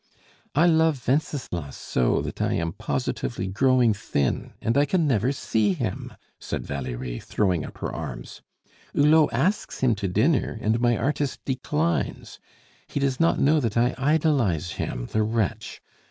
"I love Wenceslas so that I am positively growing thin, and I can never see him," said Valerie, throwing up her arms. "Hulot asks him to dinner, and my artist declines. He does not know that I idolize him, the wretch!